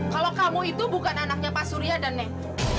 kalau kamu itu bukan anaknya pak surya dan neng